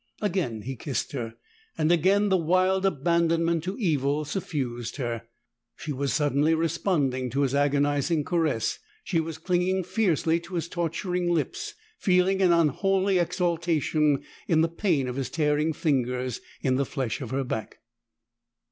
Again he kissed her, and again the wild abandonment to evil suffused her. She was suddenly responding to his agonizing caress; she was clinging fiercely to his torturing lips, feeling an unholy exaltation in the pain of his tearing fingers in the flesh of her back.